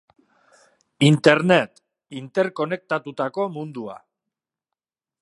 Internet: interkonektatutako mundua.